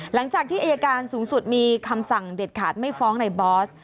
หลังจากที่อายการสูงสุดมีคำสั่งเด็ดขาดไม่ฟ้องในบอส